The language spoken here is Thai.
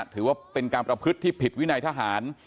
ถือว่าเป็นการประพฤติที่ผิดวินัยทหาร